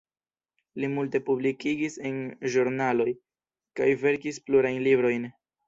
Li multe publikigis en ĵurnaloj, kaj verkis plurajn librojn.